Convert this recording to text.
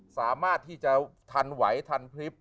สามารถที่จะทันไหวทันพลิบ